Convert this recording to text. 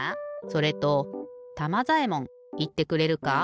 それとたまざえもんいってくれるか？